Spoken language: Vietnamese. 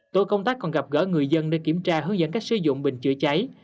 tổ công tác còn gặp gỡ người dân để kiểm tra hướng dẫn cách sử dụng bình chữa cháy